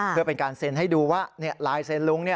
เพื่อเป็นการเซ็นให้ดูว่าลายเซ็นลุง